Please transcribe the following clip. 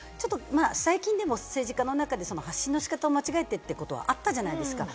最近でも政治家の中で発信の仕方を間違えてってことはあったじゃないですか。